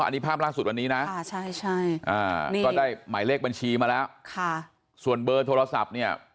อันนี้ภาพล่าสุดวันนี้นะก็ได้หมายเลขบัญชีมาแล้วส่วนเบอร์โทรศัพท์เนี่ย